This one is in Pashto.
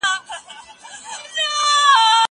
زه بايد کالي وچوم؟!